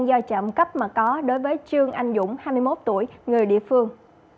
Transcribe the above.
do chạm cấp mà có đối với trương anh dũng hai mươi một tuổi người địa phương